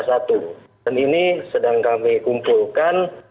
dan ini sedang kami kumpulkan